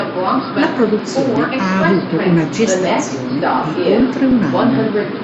La produzione ha avuto una gestazione di oltre un anno.